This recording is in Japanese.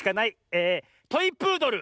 えトイプードル。